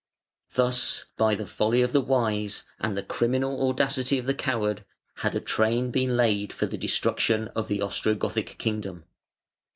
Thus, by the folly of the wise and the criminal audacity of the coward, had a train been laid for the destruction of the Ostrogothic kingdom.